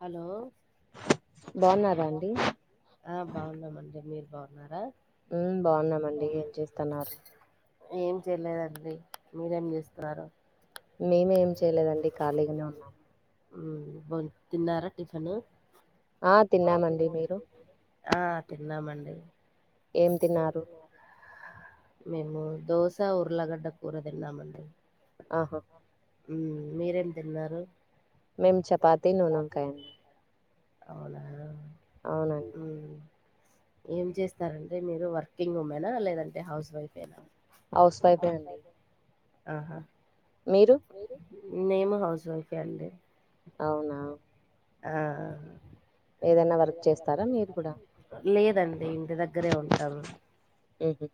Hello ఆ బావున్నామండి మీరు బావున్నారా హ్మ్ బావున్నామండి ఏం చేస్తన్నారు ఏం చేయలేదండి మీరేం చేస్తున్నారు మేమ ఏం చేయలేదండి ఖాళీగానే ఉన్నాము తిన్నారా టిఫిన్ ఆ తిన్నామండి ఏం తిన్నారు మేము దోశ ఉర్లగడ్డ కూర తిన్నామండి ఆహా హ్మ్ మీరేం తిన్నారు మేం చపాతి నూనొంకాయండి అవునా హ్మ్ ఏం చేస్తారండి మీరు వర్కింగ్ ఉమెనా లేదంటే హౌస్ వైఫ్ ఏనా హౌస్ వైఫే అండి ఆహా మీరు మేము హౌస్ వైఫే అండి అవునా ఆ లేదండి ఇంటి దగ్గరే ఉంటాము ఊహూ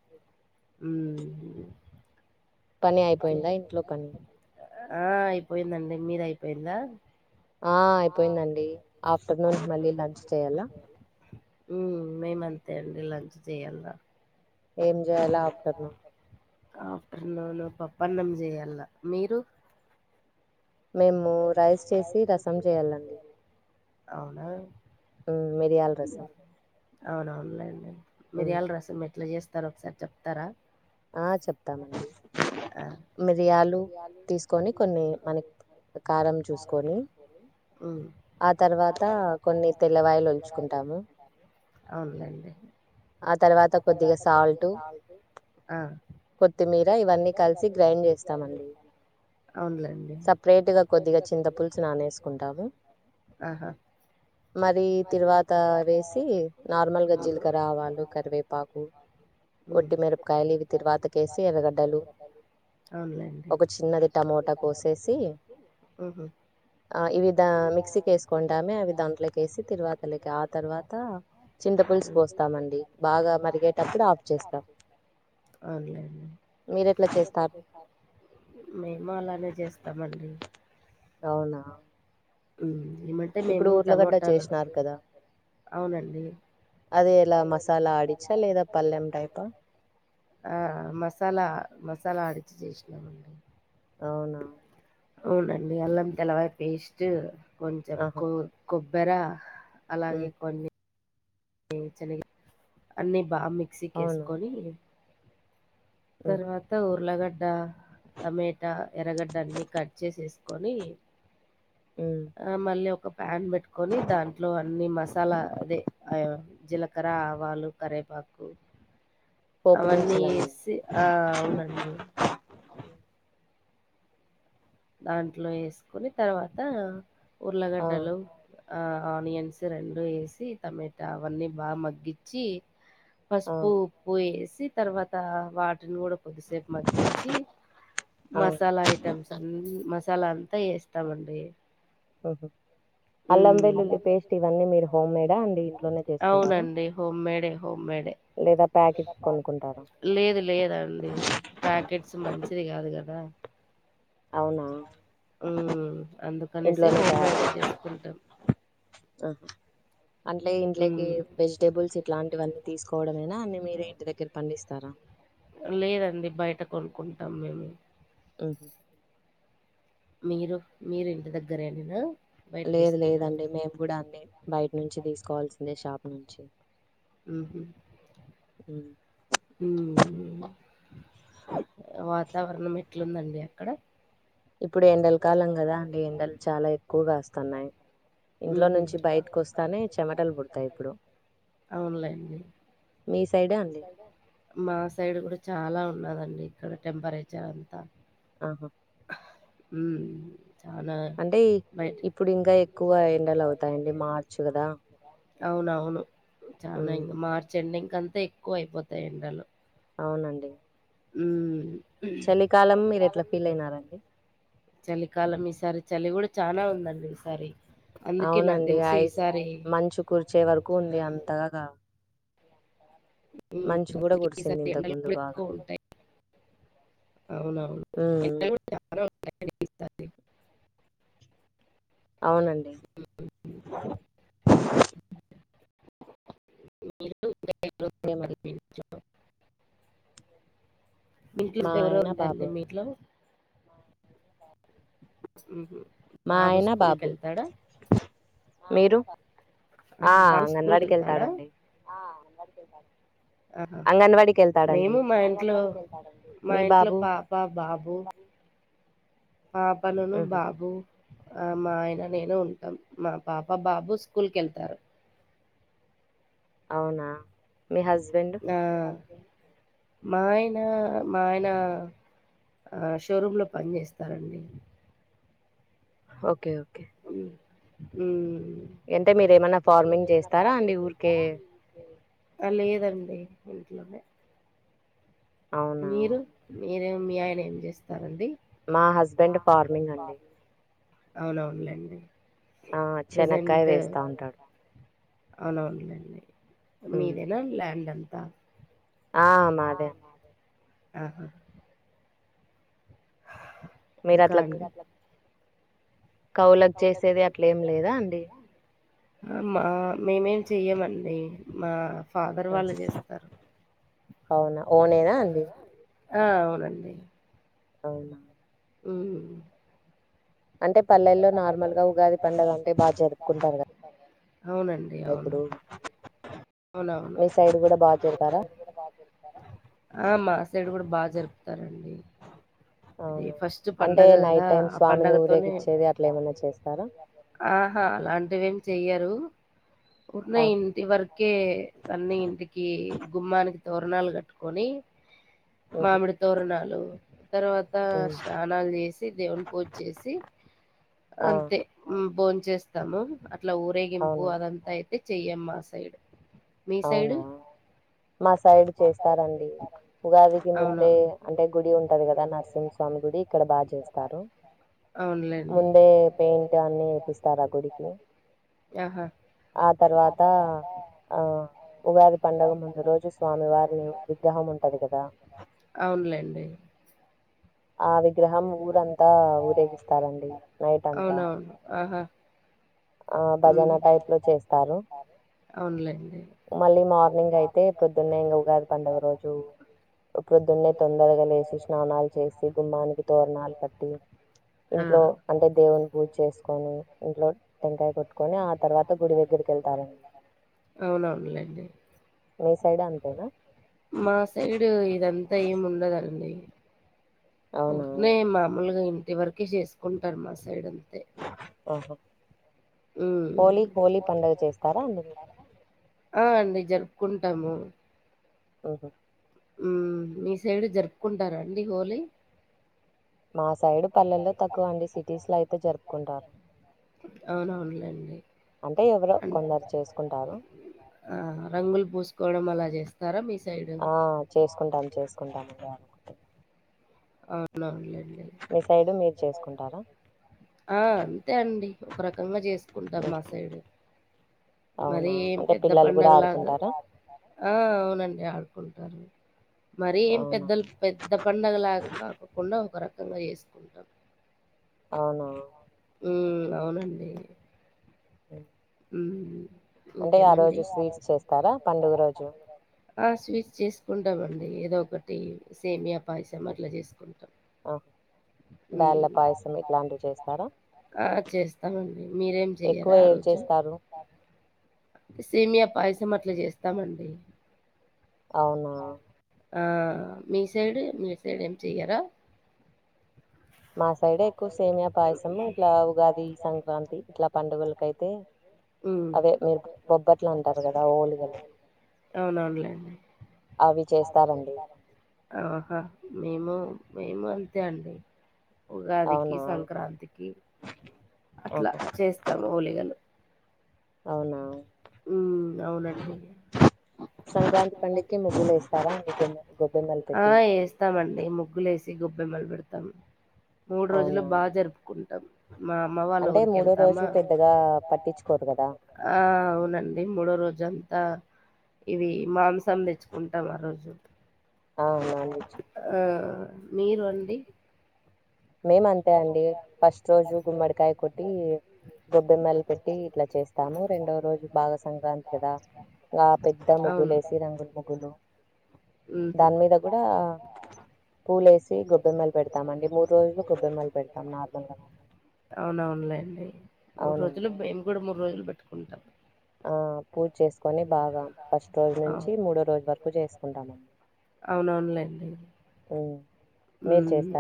హ్మ్ పని అయిపోయిందా ఇంట్లో పని ఆ అయిపోయిందండి మీదయిపోయిందా ఆ అయిపోయిందండి ఆఫ్టర్నూన్ మళ్ళీ లంచ్ చేయాలా హ్మ్ మేము అంతే అండి లంచ్ చెయ్యాలా ఏం చేయాలో అర్థం కాలేదు ఆఫ్టర్నూన్ పప్పన్నం చేయాల్న మీరు మేము రైస్ చేసి రసం చేయాలండి అవునా హ్మ్ మిరియాల రసం అవునవునులేండి మిరియాల రసం ఎట్లా చేస్తారో ఒకసారి చెప్తారా ఆ చెప్తామండి మిరియాలు తీసుకొని కొన్ని మనకి హ్మ్ అవును లెండి ఆ తర్వాత కొద్దిగా సాల్టు కొత్తిమీర ఇవన్నీ కలిసి గ్రైండ్ చేస్తామండి అవునులేండి ఆహా మరి తిరువాత వేసి నార్మల్గా జీలకర్ర ఆవాలు కరివేపాకు ఒట్టి మిరపకాయలు ఇవి తిరువాత కేేసి ఎర్రగడ్డలు అవునులేండి ఊహూ ఆ ఇవి దా మిక్సీకి వేసుకుంటామే అవి దాంట్లోకి వేసి తిరువాతలకి ఆ తర్వాత ఇంత పుల్సు పోస్తామండి బాగా మరిగేటప్పుడు ఆఫ్ చేస్తాం అవును లేండి మేమూ అలానే చేస్తామండి అవునా ఊమ్ ఏమంటే మేము టమోటాలు అవునండి ఆ మసాలా మసా అలా ఆడిచ్చి చేసినామండి అవునా అవునండి అల్లం తెలవయి పేస్ట్ కొంచెం కో కొబ్బరి అలాగే కొన్ని చి అన్నీ బాగా మిక్సీకి వేసుకొని తర్వాత ఊర్లాగడ్ గడ్డ టమేటా ఎర్రగడ్డ అన్ని కట్ చేసేసుకొని ఆ మళ్ళీ ఒక ప్యాన్ పెట్టుకొని దాంట్లో అన్ని మసాల అదే జీలకర ఆవాలు కరేపా అవన్నీ వేసి ఆ అవునండి దాంట్లో వేసుకొని తర్వాత ఉర్ళగడ్డలు ఆనియన్స్ రెండు వేసి టమట అవన్నీ బాగ మగ్గిచి పసుపు ఉప్పు వేసి తర్వాత వాటిని గూడ కొద్దిసేపు మకిచ్చి మసాల ఐటమ్స్ మసాల అంతా వేస్తామండి ఓహో అవునండి హోమ్మేడే హోమ్మేడే లేదు లేదండి ప్యాకెట్స్ మంచిది కాదు గా అ అవునా ఉ అందుకనేసి హోమ్ మేడే చేసుకుంటాం అంటే ఇంట్లోకి వెజిటేబుల్స్ ఇట్లాంటివన్నీ తీసుకోవడంమీన మీరే ఇంటి దగ్గర పండిస్తార లేదండి బయట కొనుక్కుంటాం మేము [unintelligible] మీరు మీరు ఇంటి దగ్గరే నేన లేదు లేదండి మేము కూడ అన్ని బయట నుంచి తీసుకోవాల్సిందే షాపు నుంచి ఉహు వాతావరణమే ఎట్లుందండి అక్కడ ఇప్పుడు ఎండల కాలం కదా అండి ఎండలు చాల ఎక్కువగా వస్తన్నాయి ఇంట్లో నుంచి బయటకు వస్తానే చెమటలు పుడతాయి ఇప్పుడు ఆఅవున్లెండి మా సైడ్ కూడ చాల ఉన్నాదండి ఇక్కడ టెంపరేచర్ అంత ఆహా హు అంటే ఇప్పుడు ఇంకా ఎక్కువ ఎండలు అవుతాయండి మార్చు కదా అవునవును చాలా మార్చ ఎండింగ్ అంతా ఎక్కువ అయిపోతాయి ఎండలు అవునండి ఉ చలి కాలం ఈసారి చలి కూడ చాల ఉందండి ఈసారి అవునండి ఐస్ మంచు కుర్చే వరకు ఉంది అంతగ ఈసారి ఎండలు కూడ ఎక్కువ ఉంటాయి అవునవును [unintelligible] అవునండి మీంట్లో ఇక ఎవరో ఉంటారండి మీ ఇంట్లో బాబు స్కూల్ కెళ్తాడ బాబు స్కూల్ కెళ్తాడ మేము మా ఇంట్లో మా ఇంట్లో పాప బాబు పాపలను బాబు ఆ మా ఆయన నేనే ఉంటాం మా పాప బాబు స్కూల్కి వెళ్తారు అవునా మీ హస్బెండ్ మా ఆయన మా ఆయన ఆ షోరూమ్లో పని చేస్తాడండీ ఓకే ఓకే హ్మ్ అంటే మీర్ ఏమైన్నా ఫార్మింగ్ చేస్తారా అండి ఊరికే ఆ లేదండి ఇంట్లోనే మీరు మీరు మీ ఆయన ఏం చేస్తారండి మా హస్బెండ్ ఫార్మింగ్ అండి అవునవునులేండి ప్రజెంట్ అవునవునులేండి మీదైనా ల్యాండ్ అంత ఆ మాదే అండి ఆహా ఇంకా కవులకు చేసేది అట్లా ఏం లేద అండి మా మేమేం చెయ్యమండి మా ఫాదర్ వాళ్ళు చేస్తారు ఆ అవునండి అవునా హ్మ్ అంటే పల్లెల్లో నార్మల్గా ఉగాది పండగ అంటే బాగా జరుపుకుంటారు కదా ఎప్పుడు మీ సైడ్ కూడా బాగా చేస్తారా ఆ మా సైడ్ కూడా బాగా జరుపుతారండి అది ఫస్ట్ పండగ కదా ఆ పండగతోనే ఆహా అలాంటివేమి చెయ్యరు ఉన్న ఇంటి వరకే అన్ని ఇంటికి గుమ్మానికి తోరణాలు కట్టుకొని మామిడి తోరణాలు తర్వాత ఇంక స్నానాలు చేసి దేవుని పూజ చేసి అంతే బో చేస్తాము అట్లా ఊరేగింపు అదంతా అయితే చెయం మా సైడ్ మీ సైడు మా సైడ్ చేస్తారండి ఉగాదికి ముందే అంటే గుడి ఉంటది కదా నరసింహస్వామి గుడి ఇక్కడ బాగా చేస్తారు ముందే పెయింట్ అన్ని వేపిస్తారా గుడికి ఆహా అవునులేండి ఆ విగ్రహం ఊరంతా ఊరేగిస్తారండి నైట్ అంతా ఆ హ్మ్ అవనులెండి మళ్ళీ మార్నింగ్ అయితే పొద్దునే ఇంగ ఉగాది పండుగ రోజు పొద్దునే తొందరగా లేసి స్నానాలు చేసి గుమ్మానికి తోరణాలు కట్టి ఇంట్లో అంటే దేవుని పూజ చేసుకొని ఇంట్లో టెంకాయ కొట్టుకుని కొని ఆ తర్వాత గుడి దగ్గరికి వెళ్తారండి అవునవునులేండి మా సైడు ఇదంతా ఏమి ఉండదండి ఉరికనే మామూలుగా ఇంటి వరకి చేసుకుంటారు మా సైడ్ ఆహా ఉమ్ ఆ అండి జరుపుకుం టాము ఓహో ఉమ్ మీ సైడు జరుపుకుంటారా? అండి హోలీ మా సైడు పల్లెల్లో తక్కువ అండి. సిటీస్ లో అయితే జరుపుకుంటారు. అవునవునులేండి అంటే ఎవరో కొందరు చేసుకుంటారు. ఆహా రంగులు పూసుకోవడం. అలా చేస్ ఆ చేసుకుంటాం, చేసుకుంటామండి. అవునండి మీ సైడు మీరు చేసుకుంటారా? ఆ అంతే అండి. ఒక రకంగా చేసుకుంటాం మా సైడు. మరి ఏం పెద్ద పడుగలాగ్ ఆ అవునండి. ఆడుకుంటారు. మరీ ఏం పెద్దలు పెద్ద పండగలాగా కాకోకుండా. ఒక రకంగా చేసుకుంటాం. అవునా ఉమ్ అవునండి రెబ్ ఉమ్ ఓకేమండి. ఆ స్వీట్స్ చేసుకుంటామండ్ డి. ఏదో ఒకటి సేమియా, పాయసం అట్లా చేసుకుంటాం. బయ్ళ్ళ పాయసం ఇట్లాంటివి చేస్తారా? ఆ చేస్తామండి. మీరేం చెయ్యరా ఆ రోజు? టే సీమియా పాయసం అట్లా చేస్తామండి. అవునా ఆ మీ సైడ్ మీ సైడ్ ఏం చెయ్యరా? మా సైడ్ ఎక్కువ సేమియా పాయసము. ఇట్లా ఉగాది, సంక్రాంతి ఇట్లా పండుగలకైతే. అవే మీరు బొబ్బట్లు అంటారు గాదా. ఓల్గాలు అవుననులేండి. ఆహా మేము మేము అంతే అండి ఉగాదికి, సంక్రాంతికి అట్లా చేస్తాము ఒలిగాలు అవునా ఉమ్ అవునండి ఆ ఏస్తామండి ముగ్గులేసి గొబ్బె మ్మల్ పెడతం. మూడు రోజులు బాగా జరుపుకుంటాం. మా అమ్మ వాళ్ళ ఊరికెళ్తమా. ఆ అవునండి మూడో రోజ అ ఇవి మాంసం తెచ్చుకుంటాం ఆ రోజు అవునండి మీరు అండి మేం అంతే అండి. ఫస్ట్ రోజు గుమ్మడికాయ్ కొట్టి. గొబ్బెమ్మలు పెట్టి ఇట్లా చేస్తాము. రెండో రోజు బాగ సంక్రాంతి కదా. ఇగా పెద్ద ముగ్గులు ఏసి. రంగుల్ ముగ్గులు దాని మీద గూడా. పూలు ఏసి, గొబ్బెమ్మలు పెడతామండి. ఓల్ గొబ్బెమ్మలు పెడతాం. నార్మల్గా మేము అవునవునులేండి. మూడు రోజులు బేము గూడా మూడు రోజులు పెట్టుకుంటాం. ఆ పూజ్ చేసుకొని బాగా. ఫస్ట్ రోజు నుంచి, మూడో రోజు వరకు చేసుకుంటామండి. అవునవునులేండి ఉమ్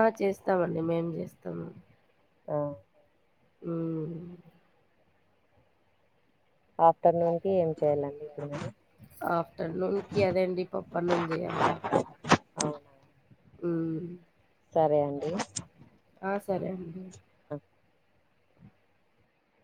ఆ చేస్తామండి మేం చేస్తాం. ఆ ఉమ్ ఆఫ్టర్నూన్ కి ఏం ఆఫ్టర్నూన్ కి అదేండి. పప్పన్నం చెయ్యల్ల ఉ సరే అండి ఆ సరే అండి